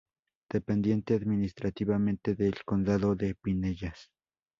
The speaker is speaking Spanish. Dependiente administrativamente del Condado de Pinellas.